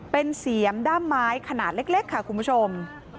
เป็นเสียมด้ามไม้ขนาดเล็กค่ะคุณผู้ชม